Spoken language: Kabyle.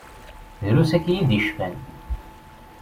Drus akya i d-yecfan.